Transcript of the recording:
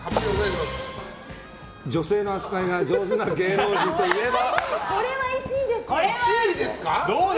女性の扱いが上手な芸能人といえば？